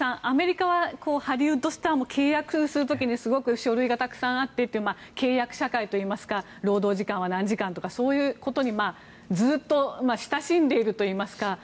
アメリカはハリウッドスターも契約する時にすごく書類がたくさんあってと契約社会といいますか労働時間は何時間とかそういうことにずっと親しんでいるといいますか。